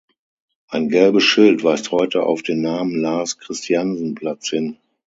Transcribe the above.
Ein gelbes Schild weist heute auf den Namen Lars-Christiansen-Platz hin.